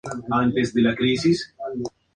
Fue compuesta por Bernhard Weiss y Walter Pietsch.